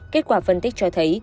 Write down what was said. kết quả phân tích cho thấy